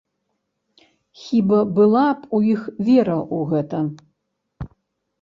Хіба была б у іх вера ў гэта?